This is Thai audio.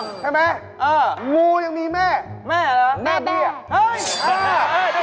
ถูกต้องใช่ไหมมูยังมีแม่ก็รู้แม่แบ่กแม่แบ่